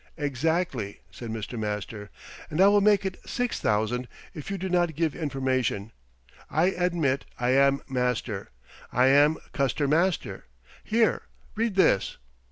"Exactly!" said Mr. Master. "And I will make it six thousand if you do not give information. I admit I am Master. I am Custer Master. Here, read this!"